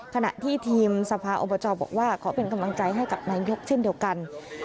ขณะที่ทีมสภาอบจบอกว่าขอเป็นกำลังใจให้กับนายกเช่นเดียวกัน